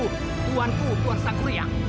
bantu tuan ku tuan sangguryang